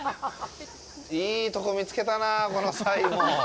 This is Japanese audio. いいところ見つけたなあ、このサイも。